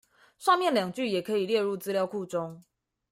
上面兩句也可以列入資料庫中